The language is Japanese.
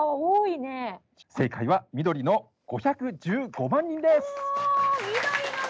正解は、緑の５１５万人です！